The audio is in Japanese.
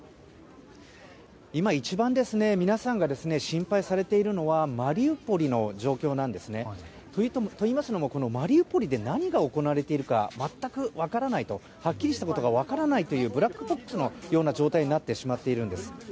今、一番皆さんが心配されているのはマリウポリの状況なんですね。といいますのも、マリウポリで何が行われているか全く分からないとはっきりしたことが分からないというブラックボックスのような状態になってしまっているんです。